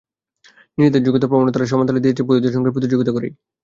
নিজেদের যোগ্যতার প্রমাণও তাঁরা সমান তালে দিয়ে যাচ্ছেন পুরুষের সঙ্গে প্রতিযোগিতা করেই।